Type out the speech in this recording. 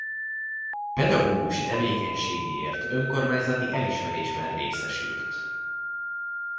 Pedagógusi tevékenységéért önkormányzati elismerésben részesült.